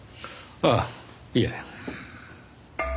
ああいえ。